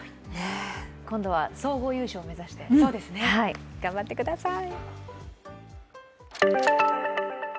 今度は総合優勝を目指して頑張ってください。